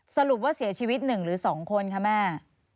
สรุปว่าเสียชีวิต๑หรือ๒คนคะแม่